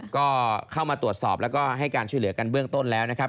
ก็เข้ามาตรวจสอบแล้วก็ให้การช่วยเหลือกันเบื้องต้นแล้วนะครับ